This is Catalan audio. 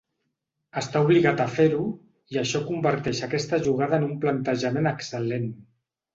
Està obligat a fer-ho, i això converteix aquesta jugada en un plantejament excel·lent.